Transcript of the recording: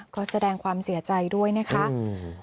ก็แสดงความเสียใจด้วยนะคะอืม